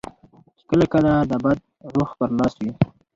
چې کله کله د بد روح پر لاس وي.